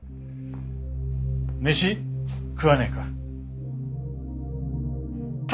飯食わねえか？